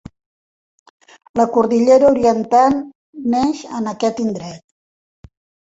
La Cordillera Oriental neix en aquest indret.